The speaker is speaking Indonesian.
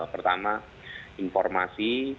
yang pertama kita harus memiliki informasi